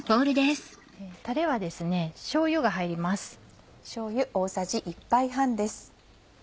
タレはしょうゆが入ります。